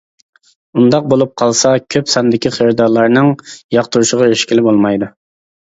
ئۇنداق بولۇپ قالسا كۆپ ساندىكى خېرىدارلارنىڭ ياقتۇرۇشىغا ئېرىشكىلى بولمايدۇ.